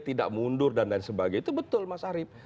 tidak mundur dan lain sebagainya itu betul mas arief